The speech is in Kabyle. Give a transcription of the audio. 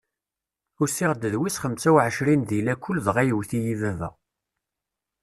Usiɣ-d d wis xemsa u ɛecrin di lakul dɣa yewwet-iyi baba.